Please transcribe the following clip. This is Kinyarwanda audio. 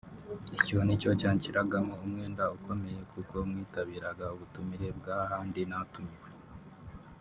Icyo ni cyo cyanshyiragamo umwenda ukomeye kuko mwitabiraga ubutumire bw’ahandi natumiwe